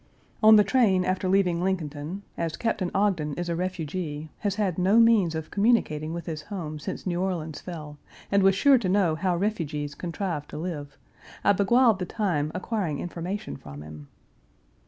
On the train after leaving Lincolnton, as Captain Ogden is a refugee, has had no means of communicating with his home since New Orleans fell, and was sure to know how refugees contrive to live, I beguiled the time acquiring information from him.